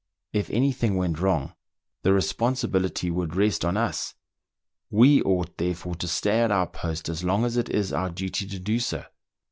If any thing went wrong, the responsibility would rest on us ; we ought, therefore, to stay at our post as long as it is our duty to do so.